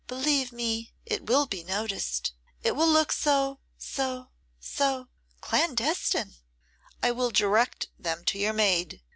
Believe me, it will be noticed. It will look so so so clandestine.' 'I will direct them to your maid.